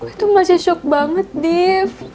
gue tuh masih shock banget div